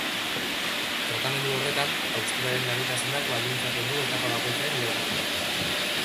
Tratamendu horretan, hausturaren larritasunak baldintzatzen du etapa bakoitzaren iraupena.